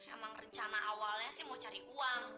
emang rencana awalnya sih mau cari uang